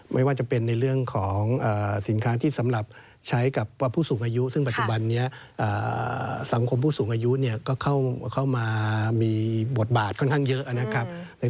ไม่ว่าจะเป็นในเรื่องของสินค้าที่สำหรับใช้กับผู้สูงอายุซึ่งปัจจุบันนี้สังคมผู้สูงอายุเนี่ยก็เข้ามามีบทบาทค่อนข้างเยอะนะครับ